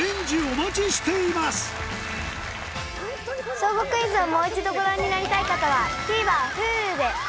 『小５クイズ』をもう一度ご覧になりたい方はＴＶｅｒＨｕｌｕで！